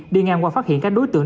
đi ngang qua phát hiện các đối tượng